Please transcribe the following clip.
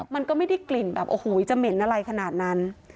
มันก็ไม่ได้กลิ่นแบบโอ้โหจะเหม็นอะไรขนาดนั้น